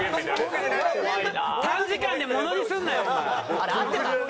あれ合ってた？